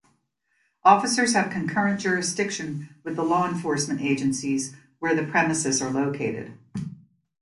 Officers have concurrent jurisdiction with the law enforcement agencies where the premises are located.